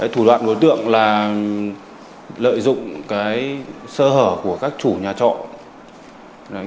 thủ đoạn của đối tượng là lợi dụng sơ hở của các chủ nhà trọ